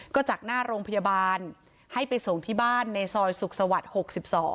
ก็จากหน้าโรงพยาบาลให้ไปส่งที่บ้านในซอยสุขสวรรค์๖๒